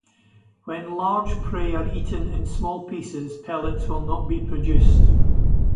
When large prey are eaten in small pieces, pellets will not be produced.